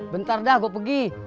bentar dah gua pergi